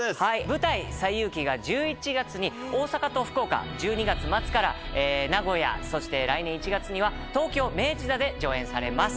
舞台『西遊記』が１１月に大阪と福岡１２月末から名古屋そして来年１月には東京明治座で上演されます。